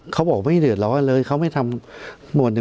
เขาบอกไม่เดือดร้อนเลยเขาไม่ทำหมวด๑